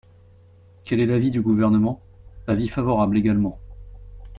Quel est l’avis du Gouvernement ? Avis favorable également.